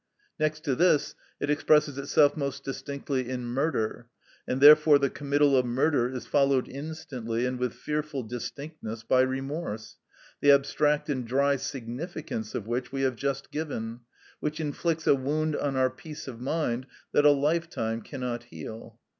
Next to this, it expresses itself most distinctly in murder; and therefore the committal of murder is followed instantly and with fearful distinctness by remorse, the abstract and dry significance of which we have just given, which inflicts a wound on our peace of mind that a lifetime cannot heal.